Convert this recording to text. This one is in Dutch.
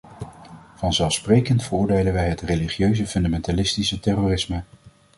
Vanzelfsprekend veroordelen wij het religieuze fundamentalistische terrorisme.